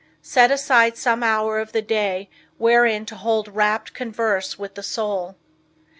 Set aside some hour of the day, wherein to hold rapt converse with the soul.